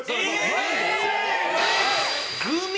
グミ！？